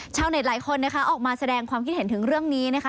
ชาวเน็ตหลายคนนะคะออกมาแสดงความคิดเห็นถึงเรื่องนี้นะคะ